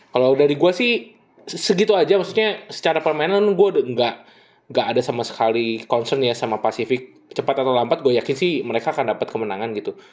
kalau dari gue sih segitu aja maksudnya secara permainan gue gak ada sama sekali concern ya sama pasifik cepat atau lambat gue yakin sih mereka akan dapat kemenangan gitu